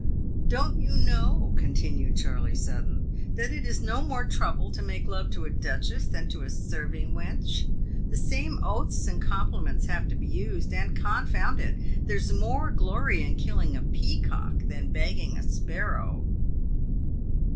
" Don't you know," continued Charley Sutton, "that it is no more trouble to make love to a duchess than to a serving wench ? The PAYED WITH GOLD, 263 same oaths and compliments have to be used, and, confound it! there's more glory in killing a peacock than bagging a sparrow."